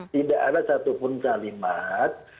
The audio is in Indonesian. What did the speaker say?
tidak ada satupun kalimat